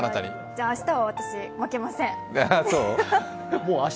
じゃあ、私、明日は負けません。